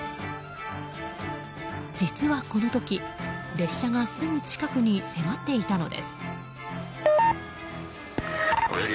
実はこの時、列車がすぐ近くに迫っていたのです。